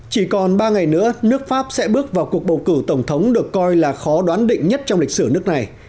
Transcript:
chỉ còn ba ngày nữa nước pháp sẽ bước vào cuộc bầu cử tổng thống được coi là khó đoán định nhất trong lịch sử nước này